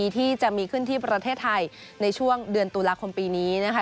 ที่จะมีขึ้นที่ประเทศไทยในช่วงเดือนตุลาคมปีนี้นะคะ